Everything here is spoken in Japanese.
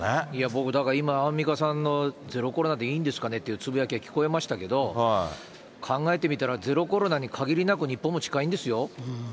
僕だから、アンミカさんのゼロコロナでいいんですかねっていうつぶやきが聞こえましたけれども、考えてみたら、ゼロコロナにかぎりなく日本も近いんですよ。